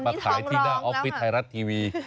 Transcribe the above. ขายที่หน้าออฟฟิศไทยรัฐทีวี